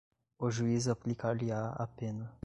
o juiz aplicar-lhe-á a pena